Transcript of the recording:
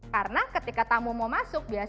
karena ketika tamu mau masuk